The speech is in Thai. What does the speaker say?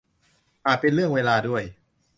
อาจเป็นเรื่องเวลาด้วย